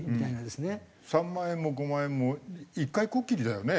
３万円も５万円も１回こっきりだよね？